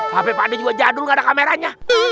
hp pak d juga jadul nggak ada kameranya